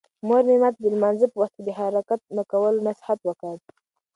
مور مې ماته د لمانځه په وخت د حرکت نه کولو نصیحت وکړ.